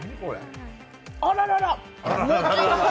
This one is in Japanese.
あらららっ！